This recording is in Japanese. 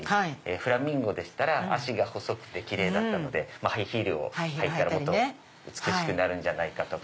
フラミンゴでしたら脚が細くてキレイだったのでハイヒールを履いたらもっと美しくなるんじゃないかとか。